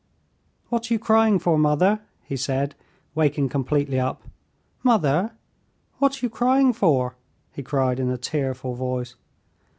"What are you crying for, mother?" he said, waking completely up. "Mother, what are you crying for?" he cried in a tearful voice.